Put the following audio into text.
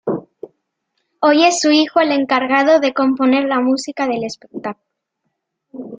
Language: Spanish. Hoy es su hijo el encargado de componer la música del espectáculo.